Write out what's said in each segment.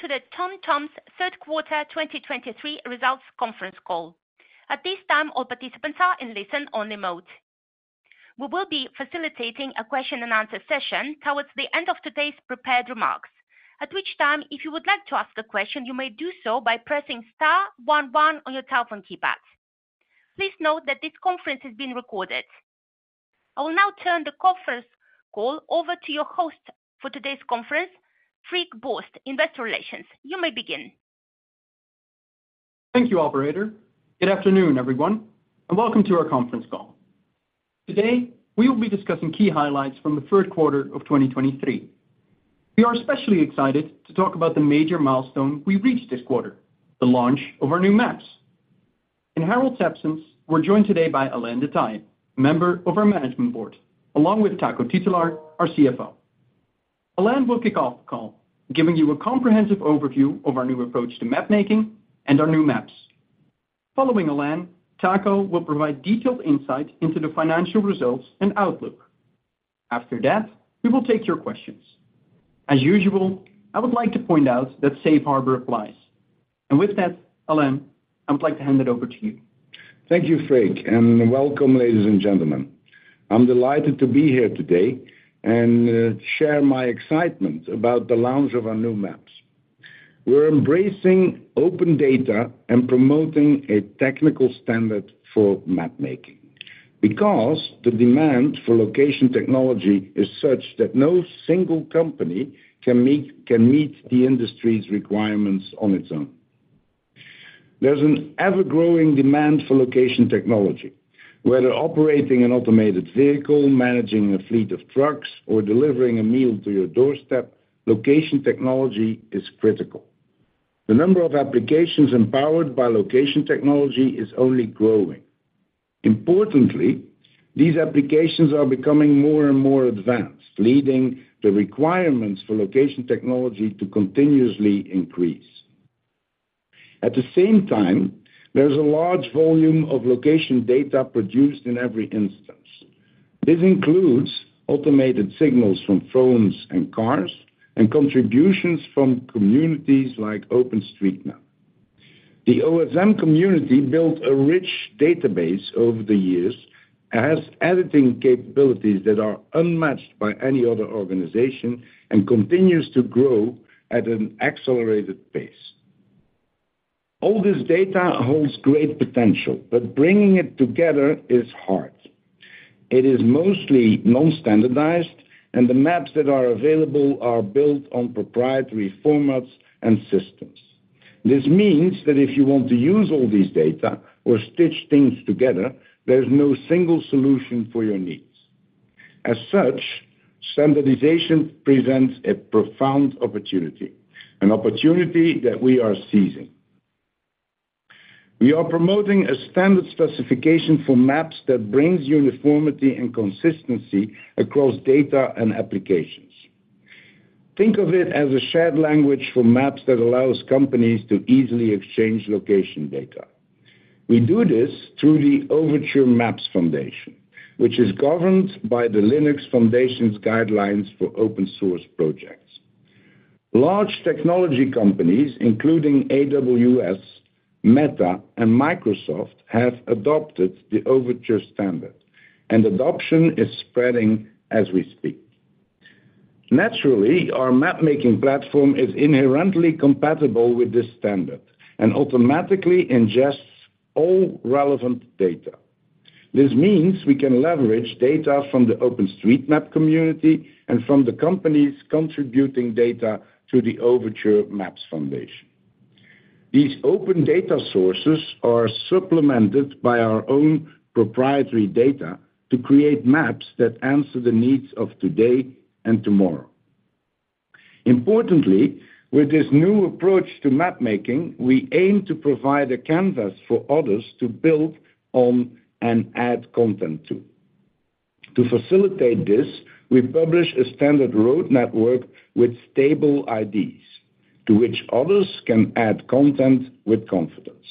to the TomTom's Q3 2023 results conference call. At this time, all participants are in listen-only mode. We will be facilitating a question and answer session towards the end of today's prepared remarks, at which time, if you would like to ask a question, you may do so by pressing star one one on your telephone keypad. Please note that this conference is being recorded. I will now turn the conference call over to your host for today's conference, Freek Borst, Investor Relations. You may begin. Thank you, operator. Good afternoon, everyone, and welcome to our conference call. Today, we will be discussing key highlights from the Q3 of 2023. We are especially excited to talk about the major milestone we reached this quarter, the launch of our new maps. In Harold's absence, we're joined today by Alain De Taeye, member of our Management Board, along with Taco Titulaer, our CFO. Alain will kick off the call, giving you a comprehensive overview of our new approach to mapmaking and our new maps. Following Alain, Taco will provide detailed insight into the financial results and outlook. After that, we will take your questions. As usual, I would like to point out that safe harbor applies. And with that, Alain, I'd like to hand it over to you. Thank you, Freek, and welcome, ladies and gentlemen. I'm delighted to be here today and share my excitement about the launch of our new maps. We're embracing open data and promoting a technical standard for mapmaking because the demand for location technology is such that no single company can meet, can meet the industry's requirements on its own. There's an ever-growing demand for location technology. Whether operating an automated vehicle, managing a fleet of trucks, or delivering a meal to your doorstep, location technology is critical. The number of applications empowered by location technology is only growing. Importantly, these applications are becoming more and more advanced, leading the requirements for location technology to continuously increase. At the same time, there's a large volume of location data produced in every instance. This includes automated signals from phones and cars, and contributions from communities like OpenStreetMap. The OSM community built a rich database over the years, and has editing capabilities that are unmatched by any other organization and continues to grow at an accelerated pace. All this data holds great potential, but bringing it together is hard. It is mostly non-standardized, and the maps that are available are built on proprietary formats and systems. This means that if you want to use all these data or stitch things together, there's no single solution for your needs. As such, standardization presents a profound opportunity, an opportunity that we are seizing. We are promoting a standard specification for maps that brings uniformity and consistency across data and applications. Think of it as a shared language for maps that allows companies to easily exchange location data. We do this through the Overture Maps Foundation, which is governed by the Linux Foundation's guidelines for open source projects. Large technology companies, including AWS, Meta, and Microsoft, have adopted the Overture standard, and adoption is spreading as we speak. Naturally, our mapmaking platform is inherently compatible with this standard and automatically ingests all relevant data. This means we can leverage data from the OpenStreetMap community and from the companies contributing data to the Overture Maps Foundation. These open data sources are supplemented by our own proprietary data to create maps that answer the needs of today and tomorrow. Importantly, with this new approach to mapmaking, we aim to provide a canvas for others to build on and add content to. To facilitate this, we publish a standard road network with stable IDs, to which others can add content with confidence.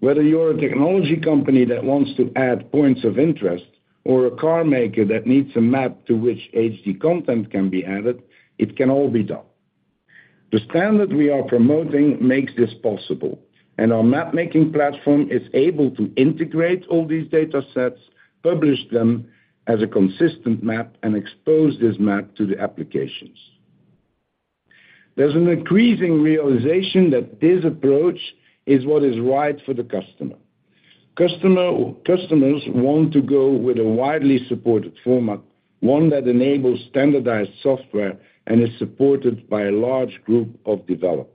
Whether you're a technology company that wants to add points of interest or a car maker that needs a map to which HD content can be added, it can all be done. The standard we are promoting makes this possible, and our mapmaking platform is able to integrate all these datasets, publish them as a consistent map, and expose this map to the applications. There's an increasing realization that this approach is what is right for the customer. Customers want to go with a widely supported format, one that enables standardized software and is supported by a large group of developers.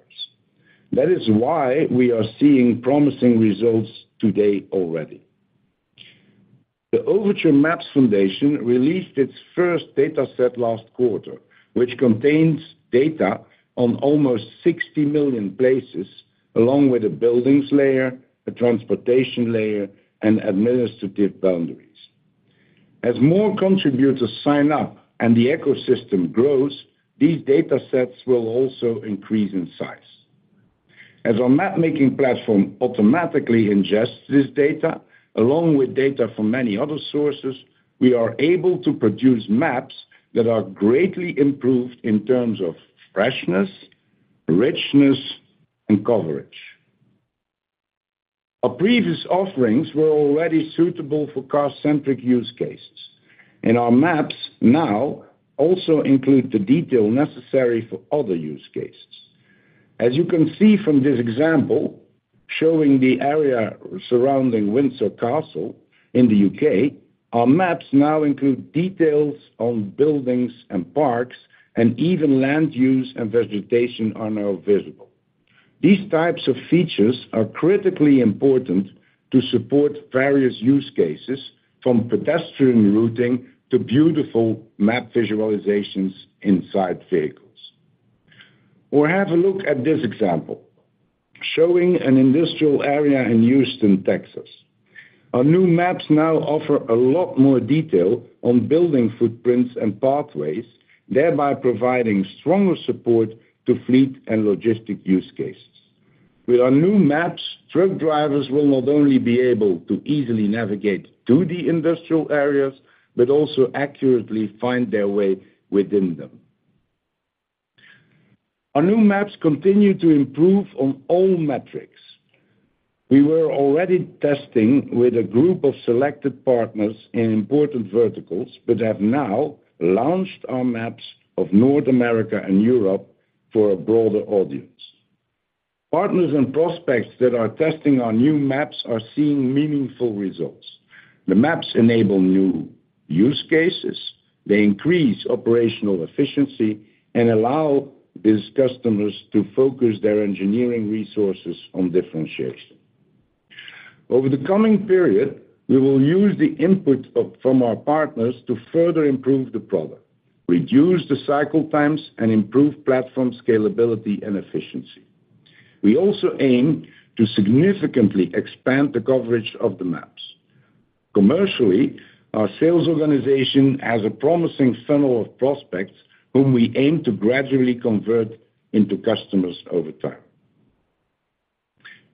That is why we are seeing promising results today already. The Overture Maps Foundation released its first dataset last quarter, which contains data on almost 60 million places, along with a buildings layer, a transportation layer, and administrative boundaries. As more contributors sign up and the ecosystem grows, these datasets will also increase in size. As our map-making platform automatically ingests this data, along with data from many other sources, we are able to produce maps that are greatly improved in terms of freshness, richness, and coverage. Our previous offerings were already suitable for car-centric use cases, and our maps now also include the detail necessary for other use cases. As you can see from this example, showing the area surrounding Windsor Castle in the U.K., our maps now include details on buildings and parks, and even land use and vegetation are now visible. These types of features are critically important to support various use cases, from pedestrian routing to beautiful map visualizations inside vehicles. We have a look at this example, showing an industrial area in Houston, Texas. Our new maps now offer a lot more detail on building footprints and pathways, thereby providing stronger support to fleet and logistic use cases. With our new maps, truck drivers will not only be able to easily navigate to the industrial areas, but also accurately find their way within them. Our new maps continue to improve on all metrics. We were already testing with a group of selected partners in important verticals, but have now launched our maps of North America and Europe for a broader audience. Partners and prospects that are testing our new maps are seeing meaningful results. The maps enable new use cases, they increase operational efficiency, and allow these customers to focus their engineering resources on differentiation. Over the coming period, we will use the input from our partners to further improve the product, reduce the cycle times, and improve platform scalability and efficiency. We also aim to significantly expand the coverage of the maps. Commercially, our sales organization has a promising funnel of prospects, whom we aim to gradually convert into customers over time.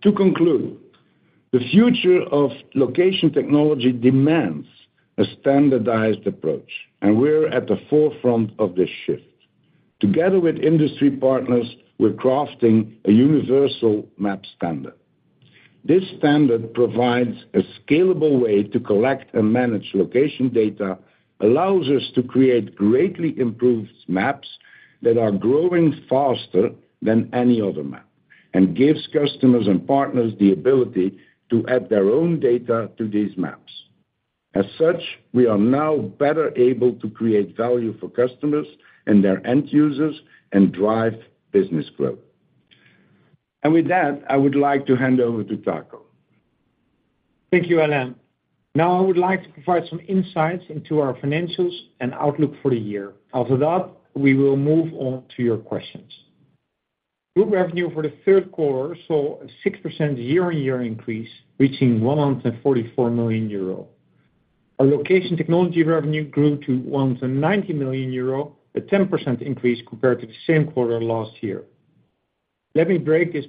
To conclude, the future of location technology demands a standardized approach, and we're at the forefront of this shift. Together with industry partners, we're crafting a universal map standard. This standard provides a scalable way to collect and manage location data, allows us to create greatly improved maps that are growing faster than any other map, and gives customers and partners the ability to add their own data to these maps. As such, we are now better able to create value for customers and their end users and drive business growth. With that, I would like to hand over to Taco. Thank you, Alain. Now, I would like to provide some insights into our financials and outlook for the year. After that, we will move on to your questions. Group revenue for the Q3 saw a 6% year-on-year increase, reaching 144 million euro. Our location technology revenue grew to 190 million euro, a 10% increase compared to the same quarter last year. Let me break this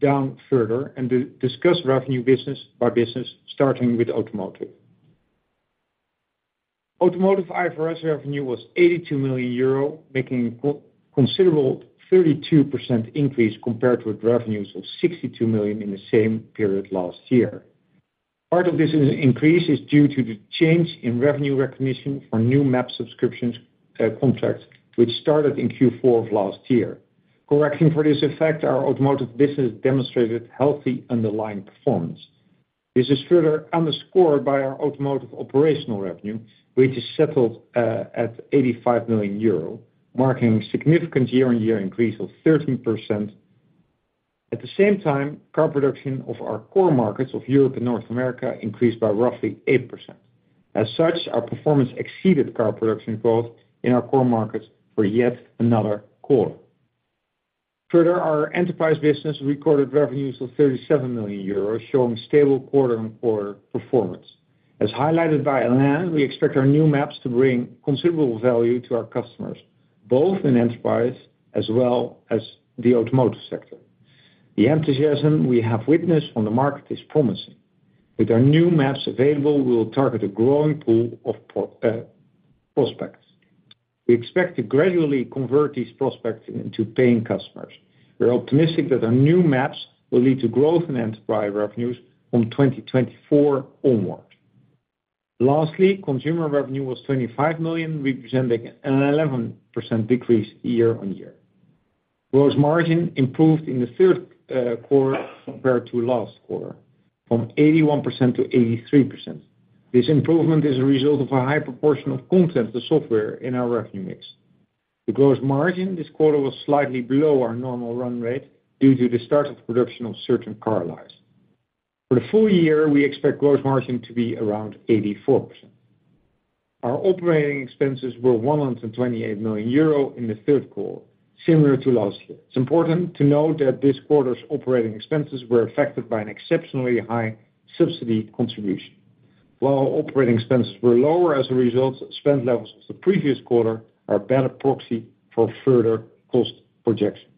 down further and discuss revenue business by business, starting with automotive. Automotive IFRS revenue was 82 million euro, making considerable 32% increase compared with revenues of 62 million in the same period last year. Part of this increase is due to the change in revenue recognition for new map subscriptions, contract, which started in Q4 of last year. Correcting for this effect, our automotive business demonstrated healthy underlying performance. This is further underscored by our automotive operational revenue, which is settled at 85 million euro, marking significant year-on-year increase of 13%. At the same time, car production of our core markets of Europe and North America increased by roughly 8%. As such, our performance exceeded car production growth in our core markets for yet another quarter. Further, our enterprise business recorded revenues of 37 million euros, showing stable quarter-on-quarter performance. As highlighted by Alain, we expect our new maps to bring considerable value to our customers, both in enterprise as well as the automotive sector. The enthusiasm we have witnessed on the market is promising. With our new maps available, we will target a growing pool of prospects. We expect to gradually convert these prospects into paying customers. We're optimistic that our new maps will lead to growth in enterprise revenues from 2024 onwards. Lastly, consumer revenue was 25 million, representing an 11% decrease year-on-year. Gross margin improved in the Q3 compared to last quarter, from 81%-83%. This improvement is a result of a high proportion of content to software in our revenue mix. The gross margin this quarter was slightly below our normal run rate due to the start of production of certain car lines. For the full year, we expect gross margin to be around 84%. Our operating expenses were 128 million euro in the Q3, similar to last year. It's important to note that this quarter's operating expenses were affected by an exceptionally high subsidy contribution.... While our operating expenses were lower as a result, spend levels of the previous quarter are a better proxy for further cost projections.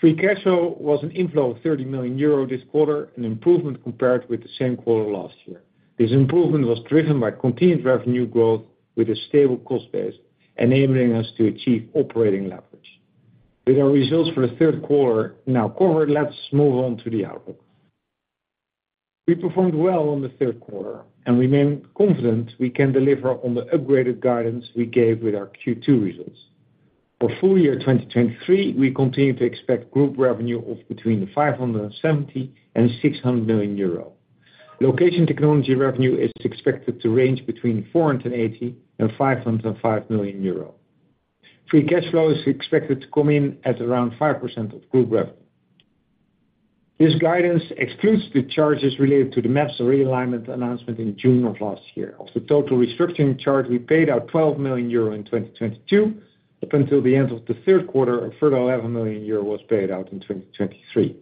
Free cash flow was an inflow of 30 million euro this quarter, an improvement compared with the same quarter last year. This improvement was driven by continued revenue growth with a stable cost base, enabling us to achieve operating leverage. With our results for the Q3 now covered, let's move on to the outlook. We performed well on the Q3, and remain confident we can deliver on the upgraded guidance we gave with our Q2 results. For full year 2023, we continue to expect group revenue of between 570 million and 600 million euro. Location technology revenue is expected to range between 480 million and 505 million euro. Free cash flow is expected to come in at around 5% of group revenue. This guidance excludes the charges related to the maps realignment announcement in June of last year. Of the total restructuring charge, we paid out 12 million euro in 2022. Up until the end of the Q3, a further 11 million euro was paid out in 2023.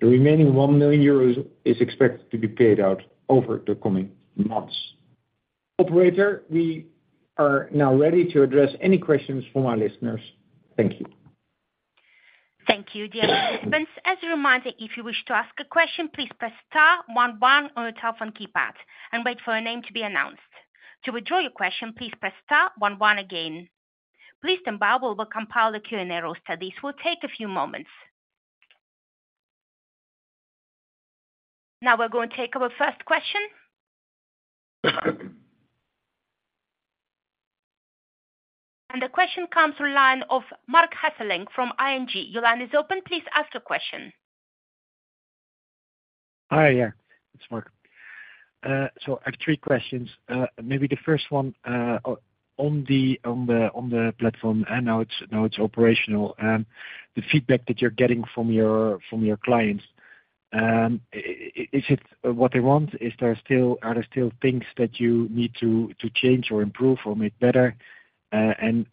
The remaining 1 million euro is expected to be paid out over the coming months. Operator, we are now ready to address any questions from our listeners. Thank you. Thank you, dear participants. As a reminder, if you wish to ask a question, please press star one one on your telephone keypad and wait for your name to be announced. To withdraw your question, please press star one one again. Please stand by, we will compile the Q&A roster. This will take a few moments. Now we're going to take our first question. The question comes from line of Marc Hesselink from ING. Your line is open. Please ask the question. Hi, yeah, it's Marc. So I have three questions. Maybe the first one, on the platform, and now it's operational, and the feedback that you're getting from your clients. Is it what they want? Is there still... Are there still things that you need to change or improve or make better? And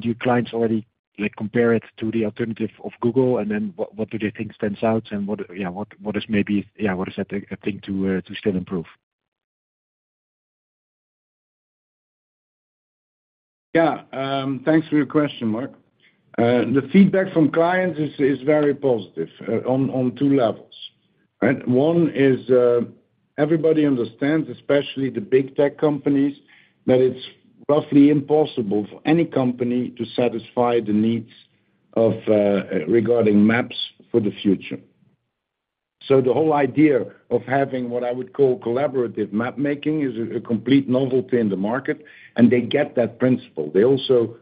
do clients already, like, compare it to the alternative of Google? And then what do they think stands out, and what, yeah, what is maybe a thing to still improve? Yeah, thanks for your question, Mark. The feedback from clients is very positive on two levels, right? One is, everybody understands, especially the big tech companies, that it's roughly impossible for any company to satisfy the needs of regarding maps for the future. So the whole idea of having what I would call collaborative mapmaking is a complete novelty in the market, and they get that principle. They also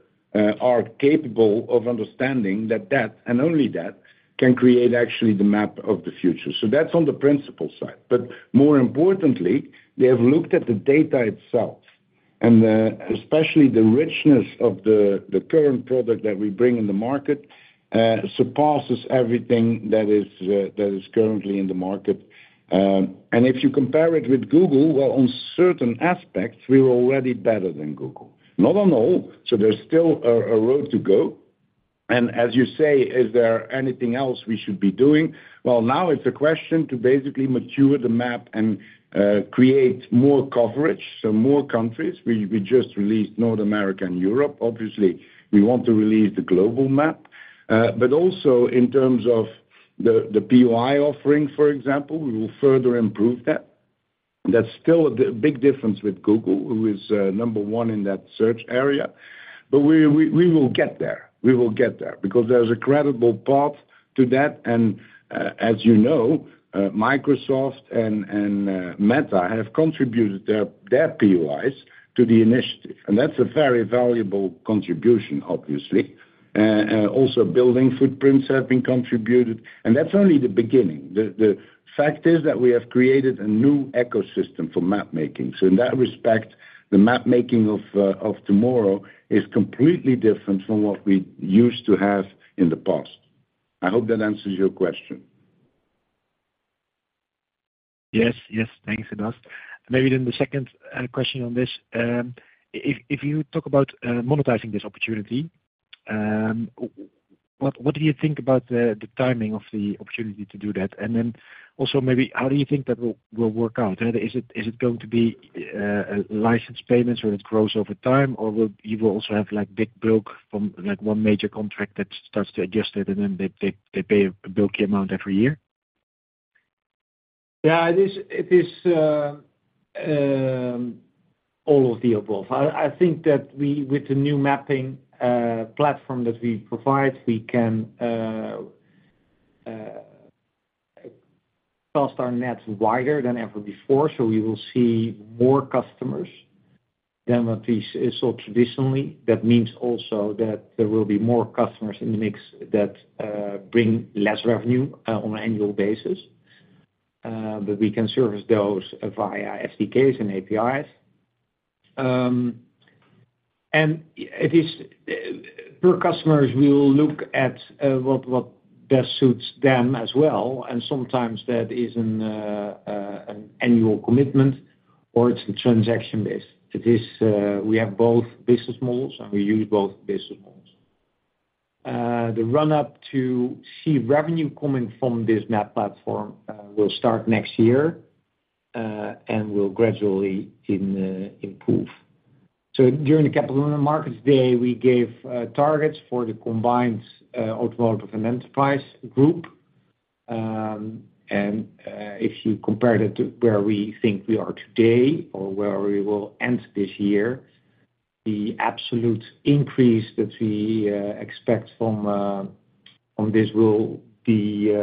are capable of understanding that that, and only that, can create actually the map of the future. So that's on the principle side. But more importantly, they have looked at the data itself, and especially the richness of the current product that we bring in the market surpasses everything that is currently in the market. And if you compare it with Google, well, on certain aspects, we're already better than Google. Not on all, so there's still a road to go. As you say, is there anything else we should be doing? Well, now it's a question to basically mature the map and create more coverage, so more countries. We just released North America and Europe. Obviously, we want to release the global map. But also in terms of the POI offering, for example, we will further improve that. That's still a big difference with Google, who is number one in that search area. But we will get there. We will get there, because there's a credible path to that, and as you know, Microsoft and Meta have contributed their POIs to the initiative, and that's a very valuable contribution, obviously. Also, building footprints have been contributed, and that's only the beginning. The fact is that we have created a new ecosystem for mapmaking. So in that respect, the mapmaking of tomorrow is completely different from what we used to have in the past. I hope that answers your question. Yes, yes, thanks a lot. Maybe then the second question on this. If you talk about monetizing this opportunity, what do you think about the timing of the opportunity to do that? And then also maybe how do you think that will work out? Is it going to be license payments where it grows over time, or will you also have, like, big bulk from, like, one major contract that starts to adjust it, and then they pay a bulky amount every year? Yeah, it is, it is, all of the above. I think that we, with the new mapping platform that we provide, we can cast our nets wider than ever before, so we will see more customers than what we saw traditionally. That means also that there will be more customers in the mix that bring less revenue on an annual basis. But we can service those via SDKs and APIs. And it is per customers, we will look at what best suits them as well, and sometimes that is an annual commitment or it's a transaction base. It is, we have both business models, and we use both business models. The run up to see revenue coming from this map platform will start next year and will gradually improve. So during the Capital Markets Day, we gave targets for the combined automotive and enterprise group. If you compare that to where we think we are today or where we will end this year, the absolute increase that we expect from this will be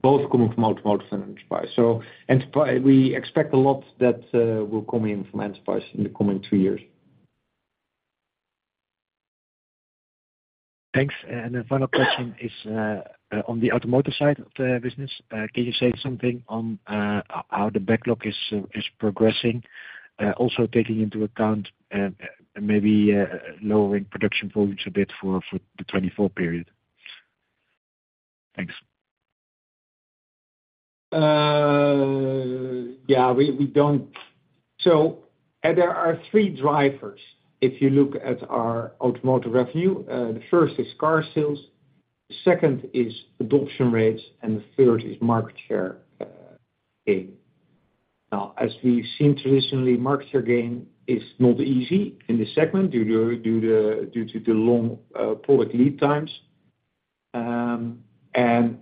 both coming from automotive and enterprise. So enterprise, we expect a lot that will come in from enterprise in the coming two years. Thanks. The final question is on the automotive side of the business. Can you say something on how the backlog is progressing, also taking into account maybe lowering production volumes a bit for the 2024 period? Thanks. So there are three drivers if you look at our automotive revenue. The first is car sales, the second is adoption rates, and the third is market share gain. Now, as we've seen traditionally, market share gain is not easy in this segment due to the long product lead times. And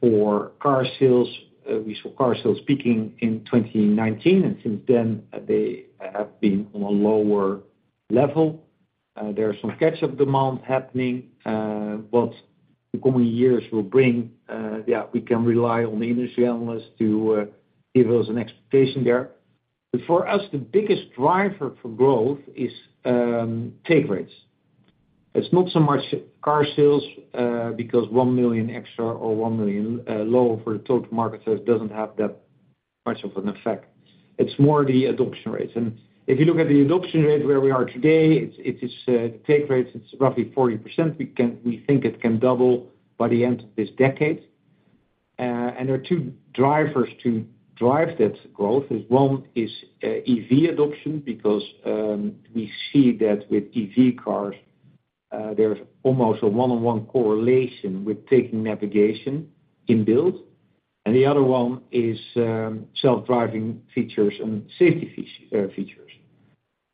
for car sales, we saw car sales peaking in 2019, and since then they have been on a lower level. There are some catch-up demand happening, but the coming years will bring, we can rely on the industry analysts to give us an expectation there. But for us, the biggest driver for growth is take rates. It's not so much car sales, because 1 million extra or 1 million lower for the total market sales doesn't have that much of an effect. It's more the adoption rates. And if you look at the adoption rate where we are today, it's, it is, the take rate, it's roughly 40%. We can -- we think it can double by the end of this decade. And there are two drivers to drive that growth is, one is, EV adoption, because, we see that with EV cars, there's almost a one-on-one correlation with taking navigation in-built. And the other one is, self-driving features and safety features.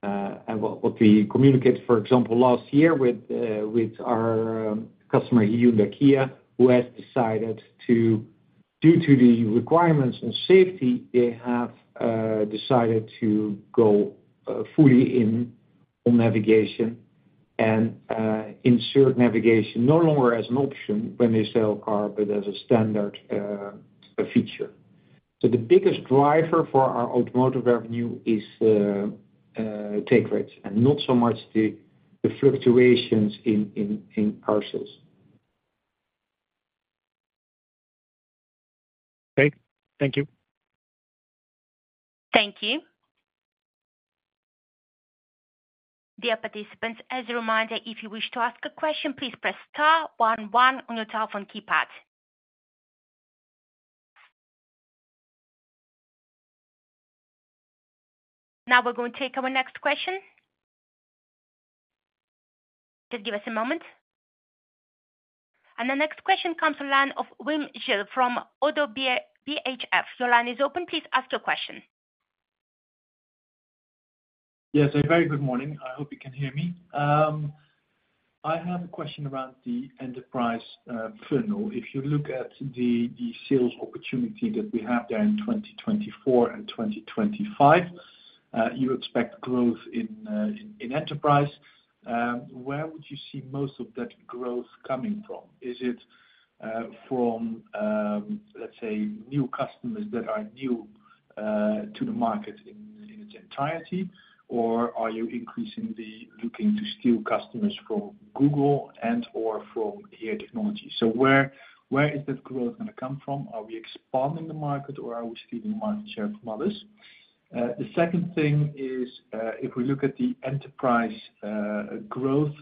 And what, what we communicate, for example, last year with, with our customer, Hyundai Kia, who has decided to... Due to the requirements and safety, they have decided to go fully in on navigation and include navigation no longer as an option when they sell a car, but as a standard feature. So the biggest driver for our automotive revenue is take rates, and not so much the fluctuations in car sales. Okay. Thank you. Thank you. Dear participants, as a reminder, if you wish to ask a question, please press star one one on your telephone keypad. Now, we're going to take our next question. Just give us a moment. The next question comes from the line of Wim Gille from Oddo BHF. Your line is open. Please ask your question. Yes, a very good morning. I hope you can hear me. I have a question about the enterprise funnel. If you look at the sales opportunity that we have there in 2024 and 2025, you expect growth in enterprise. Where would you see most of that growth coming from? Is it from let's say, new customers that are new to the market in its entirety? Or are you increasingly looking to steal customers from Google and/or from HERE Technologies? So where is that growth gonna come from? Are we expanding the market, or are we stealing market share from others? The second thing is, if we look at the enterprise growth,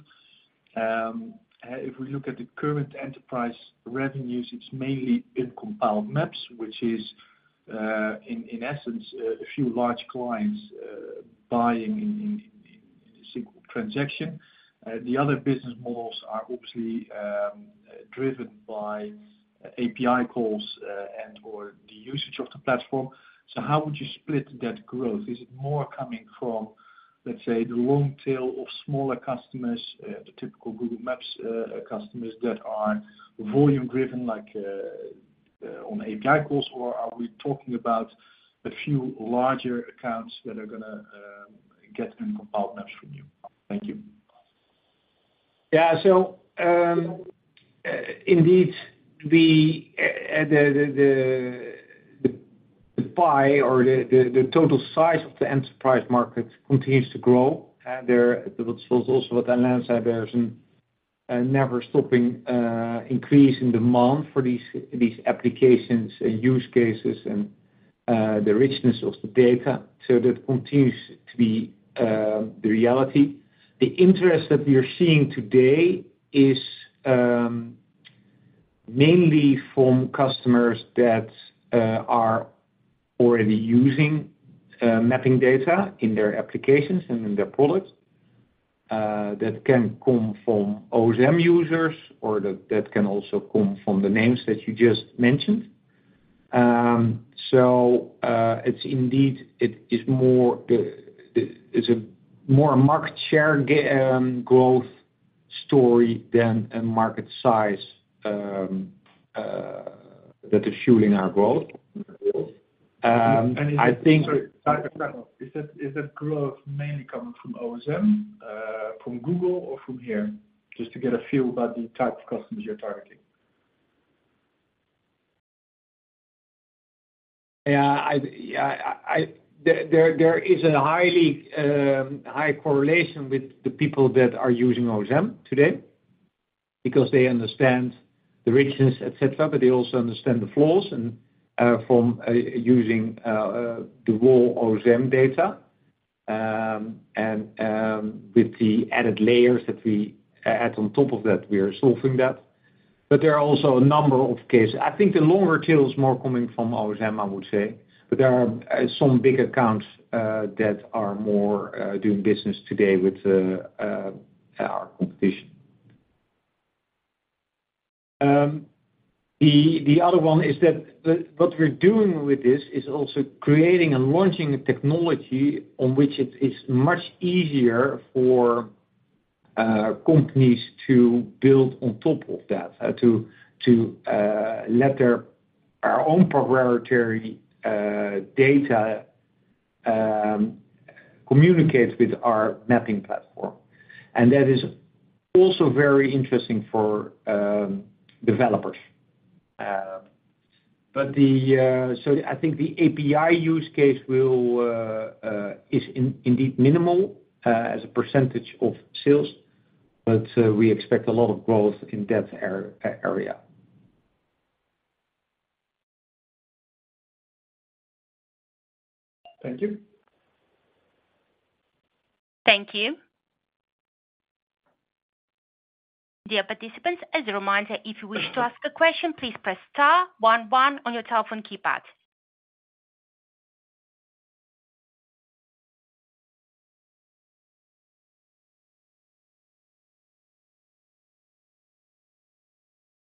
if we look at the current enterprise revenues, it's mainly in compiled maps, which is in a single transaction. The other business models are obviously driven by API calls and/or the usage of the platform. So how would you split that growth? Is it more coming from, let's say, the long tail of smaller customers, the typical Google Maps customers that are volume-driven, like on API calls? Or are we talking about a few larger accounts that are gonna get in compiled maps from you? Thank you. Yeah. So, indeed, the pie or the total size of the enterprise market continues to grow. And there was also what Alain said, there's a never-stopping increase in demand for these applications and use cases and the richness of the data. So that continues to be the reality. The interest that we are seeing today is mainly from customers that are already using mapping data in their applications and in their products. That can come from OSM users or that can also come from the names that you just mentioned. So, it's indeed, it is more, it's a more market share growth story than a market size that is fueling our growth, our growth. I think- Sorry, is that, is that growth mainly coming from OSM, from Google, or from here? Just to get a feel about the type of customers you're targeting. Yeah, there is a highly high correlation with the people that are using OSM today, because they understand the richness, et cetera, but they also understand the flaws and from using the raw OSM data. And with the added layers that we add on top of that, we are solving that. But there are also a number of cases. I think the longer tail is more coming from OSM, I would say, but there are some big accounts that are more doing business today with our competition. The other one is that the... What we're doing with this is also creating and launching a technology on which it is much easier for companies to build on top of that, to let their, our own proprietary data communicate with our mapping platform. And that is also very interesting for developers. But so I think the API use case will is indeed minimal as a percentage of sales, but we expect a lot of growth in that area. Thank you. Thank you. Dear participants, as a reminder, if you wish to ask a question, please press star one one on your telephone keypad.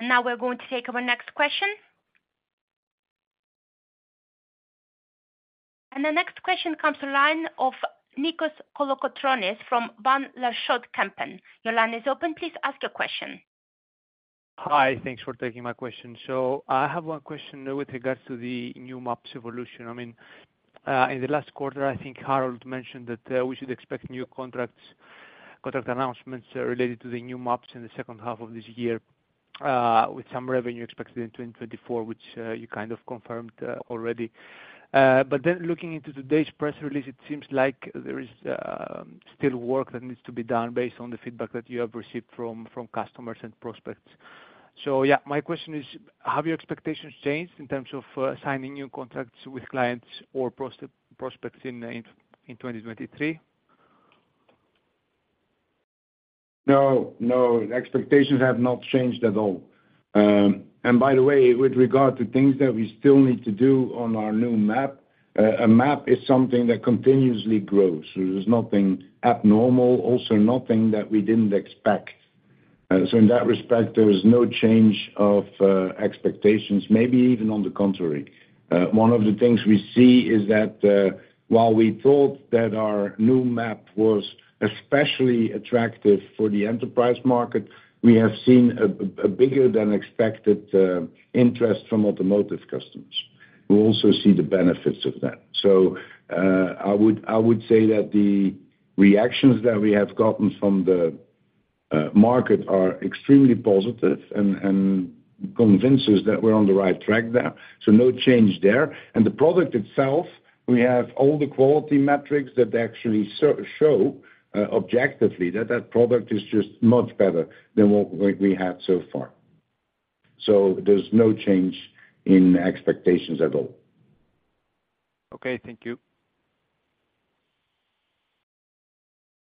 Now we're going to take our next question. The next question comes from the line of Nikos Kolokotronis from Banque Degroof Petercam. Your line is open. Please ask your question. Hi, thanks for taking my question. So I have one question with regards to the new maps evolution. I mean, in the last quarter, I think Harold mentioned that we should expect new contracts, contract announcements related to the new maps in the H2 of this year, with some revenue expected in 2024, which you kind of confirmed already. But then looking into today's press release, it seems like there is still work that needs to be done based on the feedback that you have received from customers and prospects. So yeah, my question is, have your expectations changed in terms of signing new contracts with clients or prospects in 2023? No, no, the expectations have not changed at all. By the way, with regard to things that we still need to do on our new map, a map is something that continuously grows. There is nothing abnormal, also nothing that we didn't expect. So in that respect, there is no change of expectations, maybe even on the contrary. One of the things we see is that while we thought that our new map was especially attractive for the enterprise market, we have seen a bigger than expected interest from automotive customers. We also see the benefits of that. So I would say that the reactions that we have gotten from the market are extremely positive and convince us that we're on the right track there. So no change there. The product itself, we have all the quality metrics that actually show objectively, that that product is just much better than what we had so far. There's no change in expectations at all. Okay, thank you.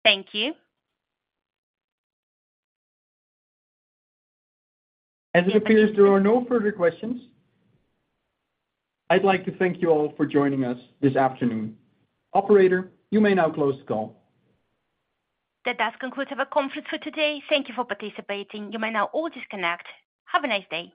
Thank you. As it appears, there are no further questions. I'd like to thank you all for joining us this afternoon. Operator, you may now close the call. That does conclude our conference for today. Thank you for participating. You may now all disconnect. Have a nice day.